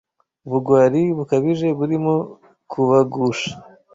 ubugwari bukabije burimo kubagusha